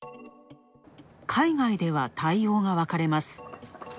海外では対応が分かれます。